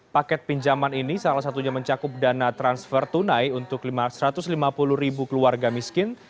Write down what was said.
paket pinjaman ini salah satunya mencakup dana transfer tunai untuk satu ratus lima puluh ribu keluarga miskin